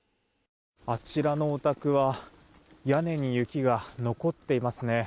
あちらのお宅は屋根に雪が残っていますね。